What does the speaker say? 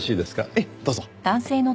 ええどうぞ。